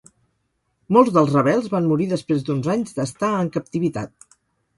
Molts dels rebels van morir després d'uns anys d'estar en captivitat.